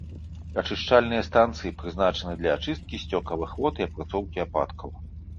Ачышчальныя станцыі прызначаны для ачысткі сцёкавых вод і апрацоўкі ападкаў.